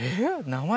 名前？